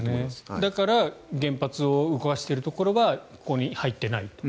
だから原発を動かしているところはここに入っていない。